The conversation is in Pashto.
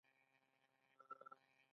پلاستيکي چپلی عامې دي.